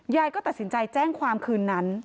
ยายก็ตัดสินใจแจ้งความคืนนั้น